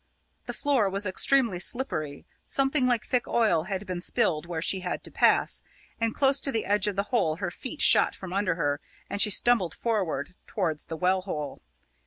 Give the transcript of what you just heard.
The floor was extremely slippery; something like thick oil had been spilled where she had to pass; and close to the edge of the hole her feet shot from under her, and she stumbled forward towards the well hole.